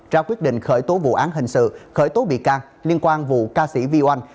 ra quyết định khởi tố vụ án hình sự khởi tố bị can liên quan vụ ca sĩ vy oanh